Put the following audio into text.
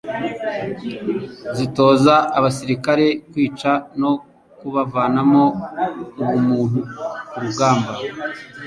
zitoza abasirikare kwica no kubavanamo ubumuntu ku rugamba.